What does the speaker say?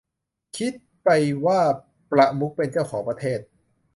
คิดไปว่าประมุขเป็นเจ้าของประเทศ